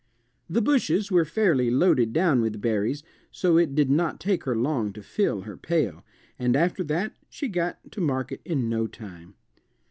The bushes were fairly loaded down with berries, so it did not take her long to fill her pail, and after that she got to market in no time.